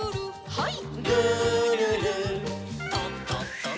はい。